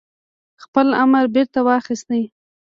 خپل امر بيرته واخيست